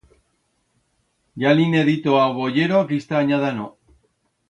Ya li'n he dito a o boyero que ista anyada no.